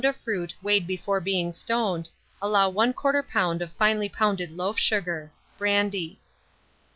of fruit weighed before being stoned, allow 1/4 lb. of finely pounded loaf sugar; brandy.